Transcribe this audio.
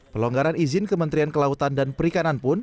pelonggaran izin kementerian kelautan dan perikanan pun